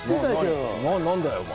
何だよお前！